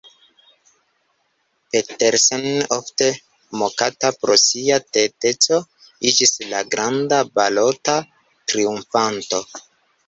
Petersen, ofte mokata pro sia tedeco, iĝis la granda balota triumfanto.